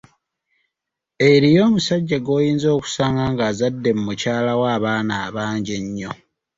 Eriyo omusajja gw’oyinza okusanga ng’azadde mu mukyala we abaana abangi ennyo.